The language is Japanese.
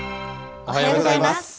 おはようございます。